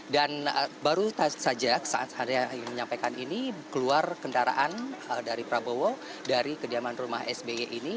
dan baru saja saat saya menyampaikan ini keluar kendaraan dari prabowo dari kediaman rumah sbe ini